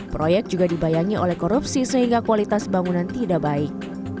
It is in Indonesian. proyek juga dibayangi oleh korupsi sehingga kualitas bangunan tidak baik